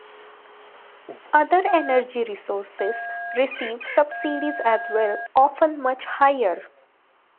Other engergy sources receive subsidies as well, often much higher.